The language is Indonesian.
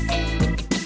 terima kasih bang